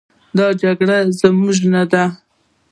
دا جګړې زموږ نه دي.